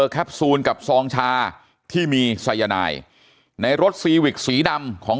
แคปซูลกับซองชาที่มีสายนายในรถซีวิกสีดำของ